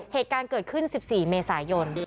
เหตุการณ์เกิดขึ้น๑๔เมษายน